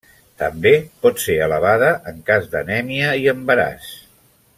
També pot ser elevada en cas d'anèmia i embaràs.